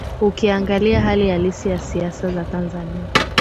ukiangalia hali halisi ya siasa za tanzania